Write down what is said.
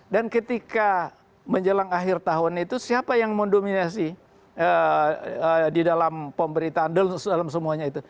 dan ketika menjelang akhir tahun itu siapa yang mendominasi di dalam pemberitaan di dalam semuanya itu